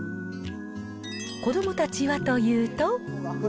子どもたちはというと。